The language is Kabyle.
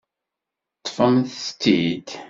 Ṭṭfent-t-id.